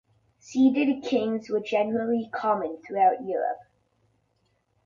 Seated kings were generally common throughout Europe.